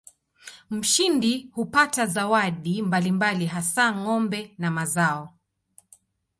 Mshindi hupata zawadi mbalimbali hasa ng'ombe na mazao.